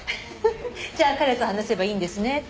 フフフ「じゃあ彼と話せばいいんですね」